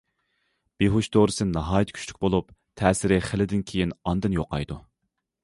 بىھوش دورىسى ناھايىتى كۈچلۈك بولۇپ، تەسىرى خېلىدىن كېيىن ئاندىن يوقايتتى.